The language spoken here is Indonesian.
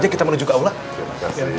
ivy mau keluar i highlywaiting